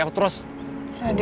kamu kabur kaburan dari aku terus